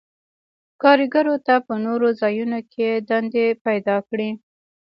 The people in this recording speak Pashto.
کارګرو ته په نورو ځایونو کې دندې پیداکړي.